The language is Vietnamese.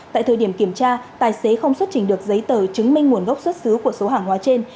tại thời điểm kiểm tra tài xế không xuất trình được giấy tờ chứng minh nguồn gốc xuất xứ của số hàng hóa trên